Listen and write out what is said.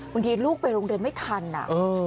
บางทีลูกไปลงเดินไม่ทันนะ